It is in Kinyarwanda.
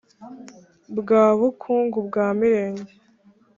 Bwa bukungu bwa Mirenge